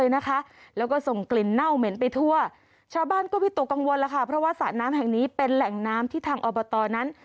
เหม็นไปทั่วชาวบ้านก็ไม่ตกกังวลแล้วค่ะเพราะว่าสระน้ำแห่งนี้เป็นแหล่งน้ำที่ทางอบตอนั้น